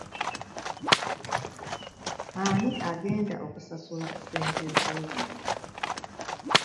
Ani agenda okusasula ssente z'ebintu?